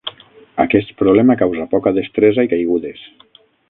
Aquest problema causa poca destresa i caigudes.